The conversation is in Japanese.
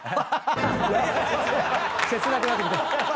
切なくなってきた。